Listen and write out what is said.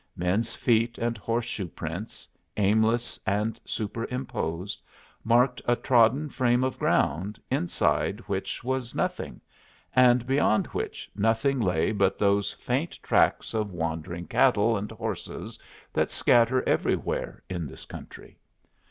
Men's feet and horseshoe prints, aimless and superimposed, marked a trodden frame of ground, inside which was nothing, and beyond which nothing lay but those faint tracks of wandering cattle and horses that scatter everywhere in this country.